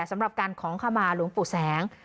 สำหรับการขอขมาหลวงปู่แสง